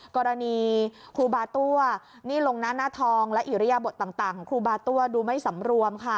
กรณีครูบาตั้วนี่ลงหน้าหน้าทองและอิริยบทต่างของครูบาตั้วดูไม่สำรวมค่ะ